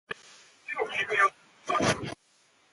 Tamos más al norte que vós.